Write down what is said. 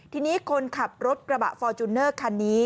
ทีนี้คนขับรถกระบะฟอร์จูเนอร์คันนี้